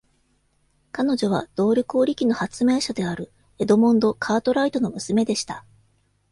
彼女は動力織機の発明者であるエドモンド・カートライトの娘でした。